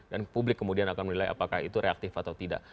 dan publik kemudian akan menilai apakah itu reaktif atau tidak